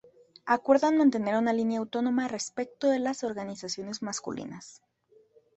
Acuerdan mantener una línea autónoma respecto de las organizaciones masculinas.